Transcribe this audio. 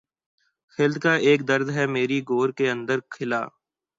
خلد کا اک در ہے میری گور کے اندر کھلا